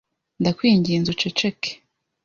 Ndakwinginze uceceke?